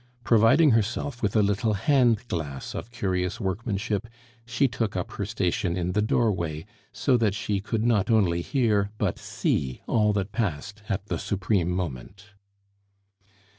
Providing herself with a little hand glass of curious workmanship, she took up her station in the doorway, so that she could not only hear but see all that passed at the supreme moment.